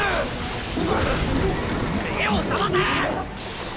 目を覚ませ！